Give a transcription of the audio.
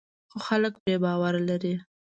خو خلک پرې باور لري.